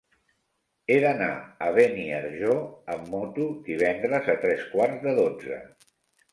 He d'anar a Beniarjó amb moto divendres a tres quarts de dotze.